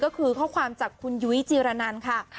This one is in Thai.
ก็คือข้อความจากคุณยุ้ยจีรนันค่ะ